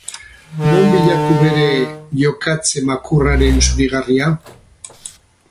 Non bilatu bere jokatze makurraren zurigarria?